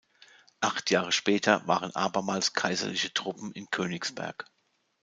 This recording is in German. Acht Jahre später waren abermals kaiserliche Truppen in Königsberg.